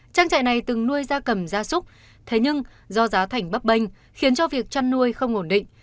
trang trại này từng nuôi ra cầm ra súc thế nhưng do giá thảnh bắp bênh khiến cho việc chăn nuôi không ổn định